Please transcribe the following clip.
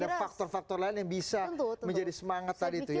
ada faktor faktor lain yang bisa menjadi semangat tadi itu ya